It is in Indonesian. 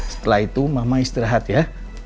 setelah itu mama istirahat ya